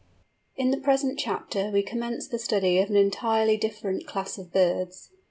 _ In the present chapter we commence the study of an entirely different class of birds.